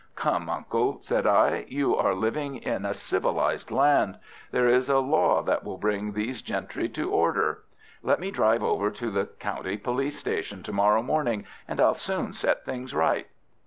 "Come, uncle," said I, "you are living in a civilized land. There is a law that will bring these gentry to order. Let me drive over to the county police station to morrow morning and I'll soon set things right."